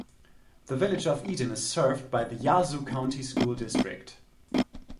The Village of Eden is served by the Yazoo County School District.